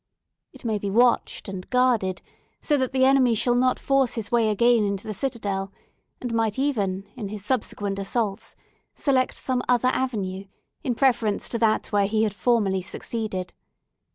It may be watched and guarded, so that the enemy shall not force his way again into the citadel, and might even in his subsequent assaults, select some other avenue, in preference to that where he had formerly succeeded.